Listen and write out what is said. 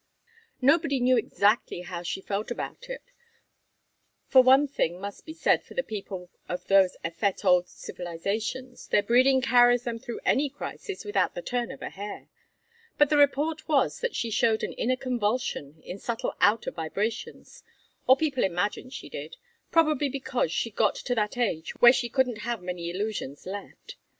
Nobody knew exactly how she felt about it, for one thing must be said for the people of those effete old civilizations: their breeding carries them through any crisis without the turn of a hair. But the report was that she showed an inner convulsion in subtle outer vibrations, or people imagined she did, probably because she'd got to that age where she couldn't have many illusions left.